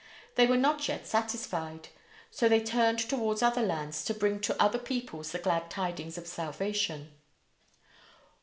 They were not yet satisfied, so they turned towards other lands to bring to other peoples the glad tidings of salvation.